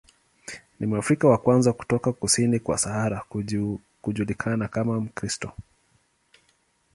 Ni Mwafrika wa kwanza kutoka kusini kwa Sahara kujulikana kama Mkristo.